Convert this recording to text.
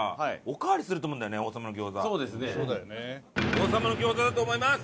王さまの餃子だと思います。